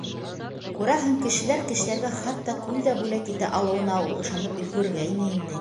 Күрәһең, кешеләр кешеләргә хатта күл дә бүләк итә алыуына ул ышанып өлгөргәйне инде.